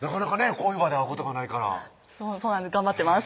こういう場で会うことがないから頑張ってます